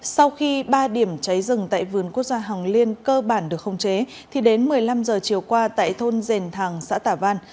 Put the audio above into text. sau khi ba điểm cháy rừng tại vườn quốc gia hồng liên cơ bản được không chế thì đến một mươi năm giờ chiều qua tại thôn dền thàng xã tả văn